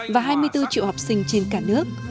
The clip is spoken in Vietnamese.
và hai mươi bốn triệu học sinh trên cả nước